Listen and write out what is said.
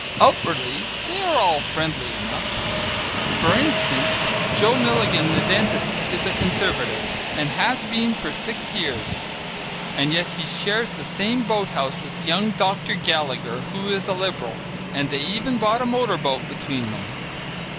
Outwardly, they are all friendly enough. For instance, Joe Milligan the dentist is a Conservative, and has been for six years, and yet he shares the same boat house with young Dr. Gallagher, who is a Liberal, and they even bought a motor boat between them.